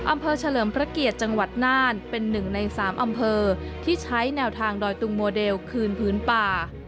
อำเภอเฉลิมพระเกียจังหวัดน่านเป็น๑ใน๓อำเภอที่ใช้แนวทางดอยตุงโมเดลคืนพื้นป่า